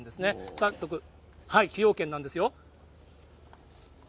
早速、崎陽軒なんですよ。